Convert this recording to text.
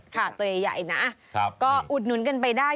ตัวใหญ่นะก็อุดหนุนกันไปได้